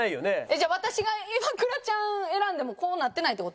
じゃあ私がイワクラちゃんを選んでもこうなってないって事？